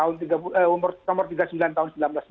nomor tiga puluh sembilan tahun